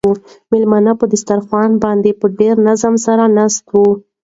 مېلمانه په دسترخوان باندې په ډېر نظم سره ناست وو.